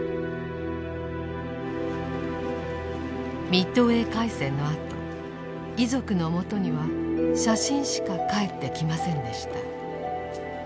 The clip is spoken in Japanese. ミッドウェー海戦のあと遺族のもとには写真しか還ってきませんでした。